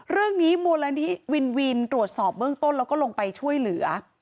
เรื่องนี้มูลนิธิวินวินตรวจสอบเบื้องต้นแล้วก็ลงไปช่วยเหลือ